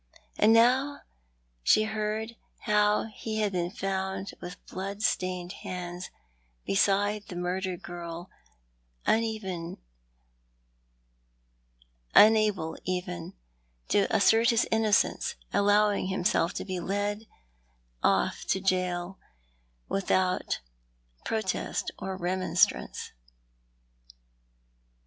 And now she heard how he bad been found with blood stained bands beside tlie murdered girl, unable even to assert his innocence, allowing himself to be led off to gaol without protest or remonstrance.